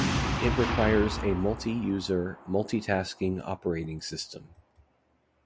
It requires a multi-user, multitasking operating system.